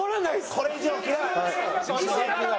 これ以上は。